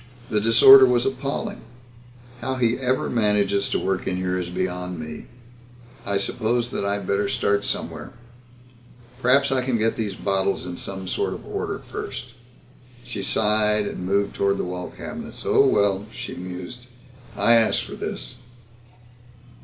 The disorder was appalling. "How he ever manages to work in here is beyond me. I suppose that I'd better start somewhere perhaps I can get these bottles in some sort of order first." She sighed and moved toward the wall cabinets. "Oh well," she mused, "I asked for this."